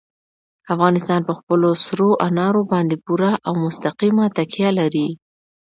افغانستان په خپلو سرو انارو باندې پوره او مستقیمه تکیه لري.